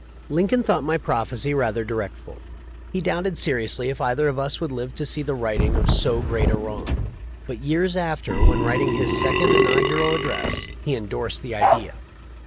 Lincoln thought my prophecy rather dire ful. He doubted seriously if either of us would live to see the righting of so great a wrong; but years after, when writing his second Inaugural ad dress, he endorsed the idea.